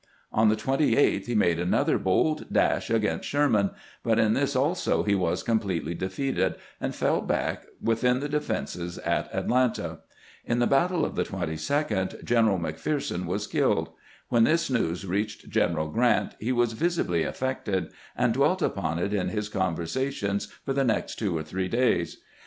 On the 28th he made another bold dash against Sherman, but in this also he was completely defeated, and feU back within the defenses at Atlanta. In the battle of the 22d General McPherson was killed. When this news reached General Grant he was visibly gbant's tkeatment of his generals 245 affected, and dwelt upon it in Ms conversations for the next two or three days.